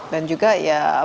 dan juga ya